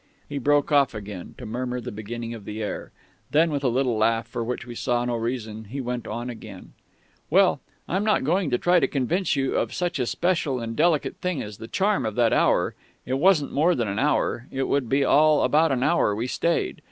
He broke off again to murmur the beginning of the air. Then, with a little laugh for which we saw no reason, he went on again: "Well, I'm not going to try to convince you of such a special and delicate thing as the charm of that hour it wasn't more than an hour it would be all about an hour we stayed.